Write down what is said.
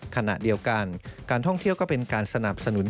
ขณะเดียวกันการท่องเที่ยวก็เป็นการสนับสนุน